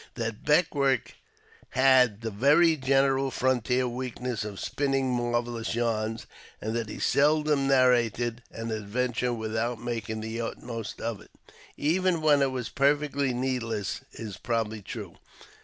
That Beckwourth had the very general frontier weakness of spinning marvellous yarns, and that he seldom narrated an adventure without making the utmost of it, even when it was perfectly needless, is probably true.